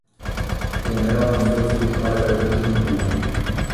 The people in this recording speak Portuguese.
O mel não foi feito para a garganta do burro.